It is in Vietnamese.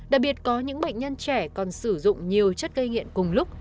đặc biệt có những bệnh nhân trẻ còn sử dụng nhiều chất gây nghiện cùng lúc